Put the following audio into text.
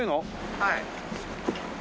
はい。